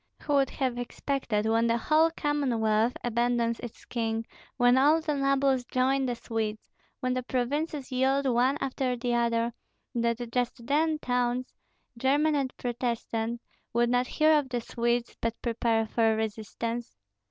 Who would have expected, when the whole Commonwealth abandons its king, when all the nobles join the Swedes, when the provinces yield one after the other, that just then towns, German and Protestant, would not hear of the Swedes but prepare for resistance?